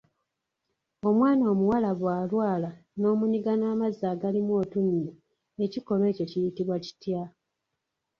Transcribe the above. Omwana omuwala bwalwala n'omunyiga n'amazzi agalimu otunnyu, ekikolwa ekyo kiyitibwa kitya?